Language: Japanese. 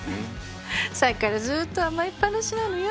さっきからずっと甘えっぱなしなのよ。